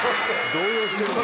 動揺してるよね。